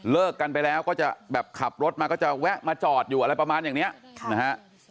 กันไปแล้วก็จะแบบขับรถมาก็จะแวะมาจอดอยู่อะไรประมาณอย่างนี้นะฮะ